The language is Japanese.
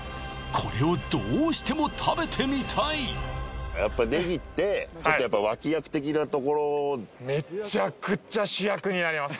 これをどうしても食べてみたいやっぱねぎってちょっとやっぱ脇役的なところになります